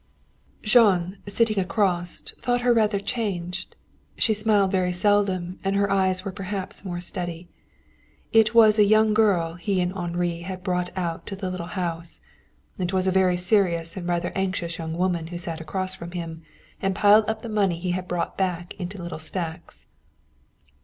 Jean, sitting across, thought her rather changed. She smiled very seldom, and her eyes were perhaps more steady. It was a young girl he and Henri had brought out to the little house. It was a very serious and rather anxious young woman who sat across from him and piled up the money he had brought back into little stacks.